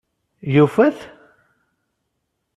Yufa-t?